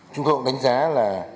chúng tôi cũng đánh giá là